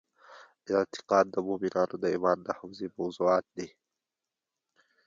اعتقاد د مومنانو د ایمان د حوزې موضوعات دي.